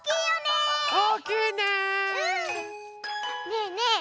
ねえねえ